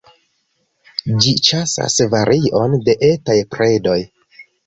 Ĝi ĉasas varion de etaj predoj.